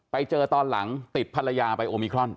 ไปเจอตอนหลังติดภรรยาไปโอมิครอน